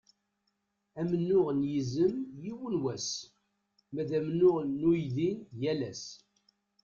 Amennuɣ n yizem yiwen wass, ma d amennuɣ n uydi yal ass.